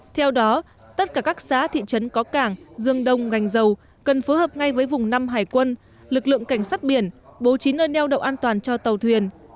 theo đó tất cả các xã thị trấn có cảng dương đông ngành dầu cần phối hợp ngay với vùng năm hải quân lực lượng cảnh sát biển bố trí nơi neo đậu an toàn cho tàu thuyền